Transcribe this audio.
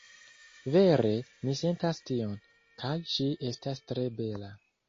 Vere, mi sentas tion, kaj ŝi estas tre bela